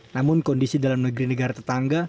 namun kondisi dalam negeri negara tetangga